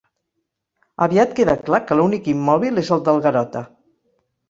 Aviat queda clar que l'únic immòbil és el del Garota.